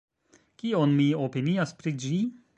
Kion mi opinias pri ĝi?